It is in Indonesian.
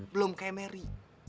belum kayak mary